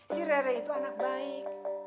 si rere itu anak baik